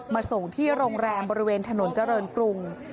มาส่งที่โรงแรมบริเวณถนนเจริญกรุง